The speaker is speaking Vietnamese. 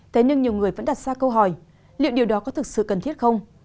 thế nhưng nhiều người vẫn đặt ra câu hỏi liệu điều đó có thực sự cần thiết không